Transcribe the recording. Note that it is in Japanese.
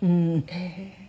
ええ。